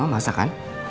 mama masak kan